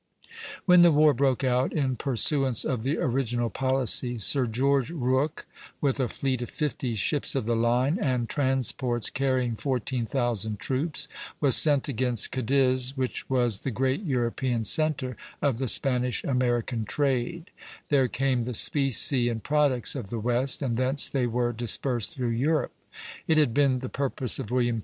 When the war broke out, in pursuance of the original policy, Sir George Rooke, with a fleet of fifty ships of the line and transports carrying fourteen thousand troops, was sent against Cadiz, which was the great European centre of the Spanish American trade; there came the specie and products of the West, and thence they were dispersed through Europe. It had been the purpose of William III.